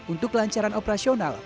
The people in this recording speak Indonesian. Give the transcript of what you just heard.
untuk kelancaran operasional